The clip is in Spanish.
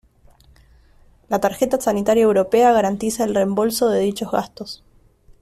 La Tarjeta Sanitaria Europea garantiza el reembolso de dichos gastos.